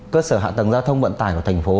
cơ sở hạ tầng giao thông vận tải của thành phố